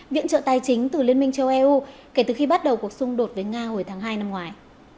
viện trợ tài chính từ liên minh châu eu kể từ khi bắt đầu cuộc xung đột với nga hồi tháng hai năm ngoài